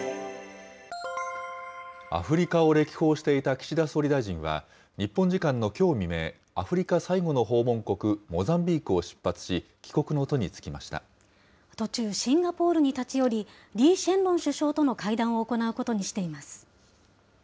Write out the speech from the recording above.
アフリカを歴訪していた岸田総理大臣は、日本時間のきょう未明、アフリカ最後の訪問国、モザンビークを出発し、途中、シンガポールに立ち寄り、リー・シェンロン首相との会談を行うことにしています。